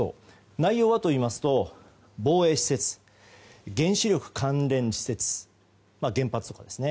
内容はといいますと防衛施設、原子力関連施設原発とかですね。